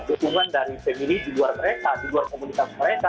untungan dari family di luar mereka di luar komunikasi mereka